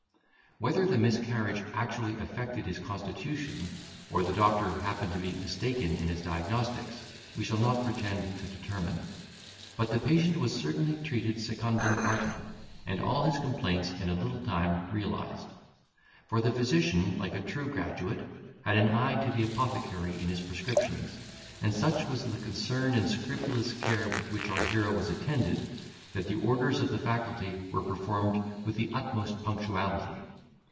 Whether the miscarriage actually affected his constitution, or the doctor happened to be mistaken in his diagnostics, we shall not pretend to determine; but the patient was certainly treated secundum artem, and all his complaints in a little time realised; for the physician, like a true graduate, had an eye to the apothecary in his prescriptions; and such was the concern and scrupulous care with which our hero was attended, that the orders of the faculty were performed with the utmost punctuality.